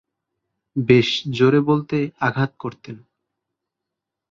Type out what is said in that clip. বেশ জোরে বলকে আঘাত করতেন।